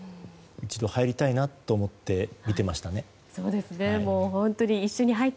一度入りたいなと思って見てました。